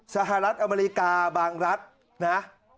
สหรัฐอเมริกาบางรัฐนะ